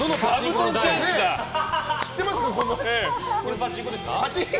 パチンコですか？